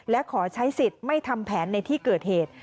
และขอใช้สิทธิ์ไม่ทำแผนในที่เกิดเหตุ